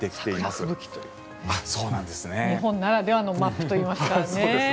桜吹雪という日本ならではのマップと言いますかね。